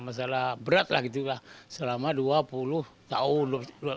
masalah berat lah gitu lah selama dua puluh tahun